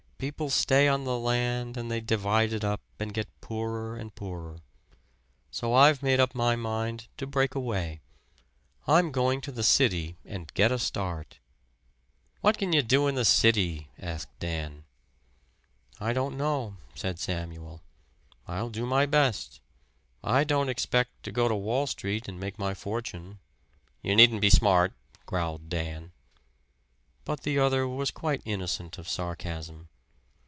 People stay on the land and they divide it up and get poorer and poorer. So I've made up my mind to break away. I'm going to the city and get a start." "What can you do in the city?" asked Dan. "I don't know," said Samuel. "I'll do my best. I don't expect to go to Wall Street and make my fortune." "You needn't be smart!" growled Dan. But the other was quite innocent of sarcasm.